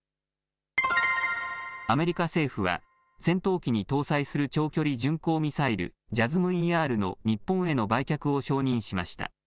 アメリカ政府は戦闘機に搭載する長距離巡航ミサイル、ＪＡＳＳＭーＥＲの日本への売却を承認しました。